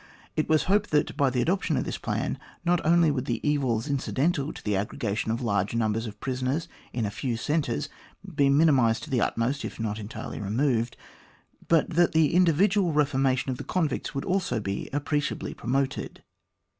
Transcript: It was hoped that, by the adoption of this plan, not only would the evils incidental to the aggregation of large numbers of prisoners in a few centres be minimised to the utmost, if not entirely removed, but that the individual reformation of the convicts would also be appreciably promoted.